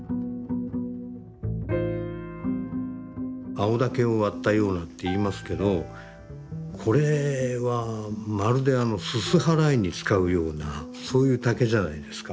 「青竹を割ったような」って言いますけどこれはまるであのすす払いに使うようなそういう竹じゃないですか。